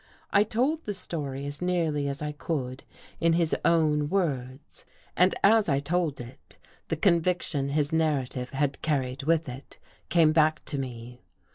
I told the story as nearly as I could in his own 206 A NIGHT RIDE words. And, as I told it, the conviction his narra tive had carried with it, came back to me.